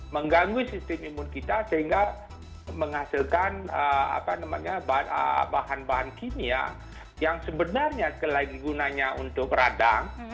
mengganggu sistem imun kita sehingga menghasilkan bahan bahan kimia yang sebenarnya gunanya untuk radang